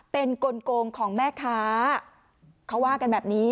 เป็นกลงของแม่ค้าเขาว่ากันแบบนี้